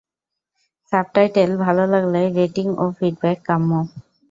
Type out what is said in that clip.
Subtitle ভালো লাগলে rating ও ফিডব্যাক কাম্য।